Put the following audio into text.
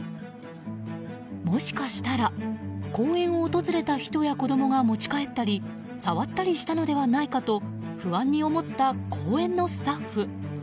もしかしたら、公園を訪れた人や子供が持ち帰ったり触ったりしたのではないかと不安に思った公園のスタッフ。